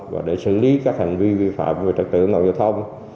và để xử lý các hành vi vi phạm về trật tự nội giao thông